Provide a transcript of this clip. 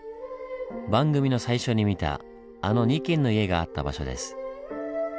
番組の最初に見たあの２軒の家があった場所です。